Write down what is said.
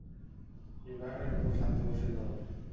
ইবরাহীমের উপর শান্তি বর্ষিত হোক।